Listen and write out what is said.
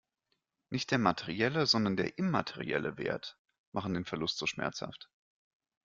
Nicht der materielle, sondern der immaterielle Wert machen den Verlust so schmerzhaft.